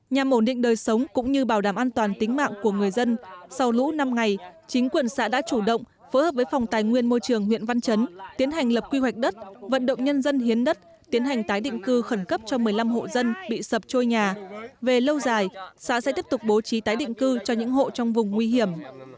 nhằm ổn định đời sống cũng như bảo đảm an toàn tính mạng của người dân sau lũ năm ngày chính quyền xã đã chủ động phối hợp với phòng tài nguyên môi trường huyện văn chấn tiến hành lập quy hoạch đất vận động nhân dân hiến đất tiến hành tái định cư khẩn cấp cho một mươi năm hộ dân bị sập trôi nhà về lâu dài xã sẽ tiếp tục bố trí tái định cư cho những hộ trong vùng nguy hiểm